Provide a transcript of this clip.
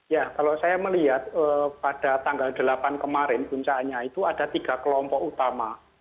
ya kalau saya melihat pada tanggal delapan kemarin puncaknya itu ada tiga kelompok utama